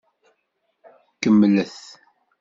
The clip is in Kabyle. Kemmlet!